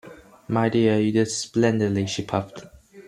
“My dear, you did splendidly,” she puffed.